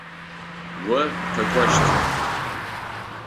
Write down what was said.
О укъэкӏощт.